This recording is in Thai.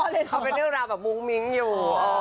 เลยเขาเป็นเรื่องราวแบบมุ้งมิ้งอยู่